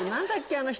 あの人。